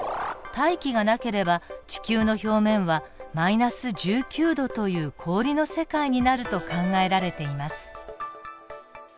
大気がなければ地球の表面は−１９℃という氷の世界になると考えられています。